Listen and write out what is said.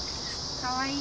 かわいい。